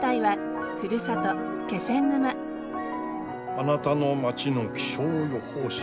「あなたの町の気象予報士」。